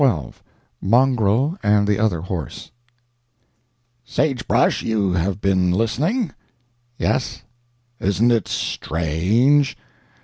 XII MONGREL AND THE OTHER HORSE "SAGE BRUSH, you have been listening?" "Yes." "Isn't it strange?"